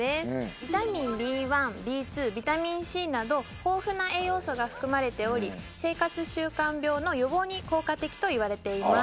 ビタミンＢ１Ｂ２ビタミンＣなど豊富な栄養素が含まれており生活習慣病の予防に効果的といわれています